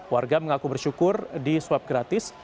warga mengaku bersyukur di swab gratis